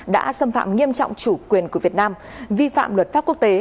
đã xâm phạm nghiêm trọng chủ quyền của việt nam vi phạm luật pháp quốc tế